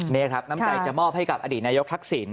นี่ครับน้ำใจจะมอบให้กับอดีตนายกทักษิณ